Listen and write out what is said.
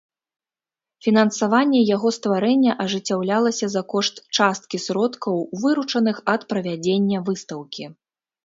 Фінансаванне яго стварэння ажыццяўлялася за кошт часткі сродкаў, выручаных ад правядзення выстаўкі.